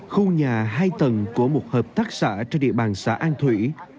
khu nhà hai tầng của một hợp tác xã trên địa bàn xã an thủy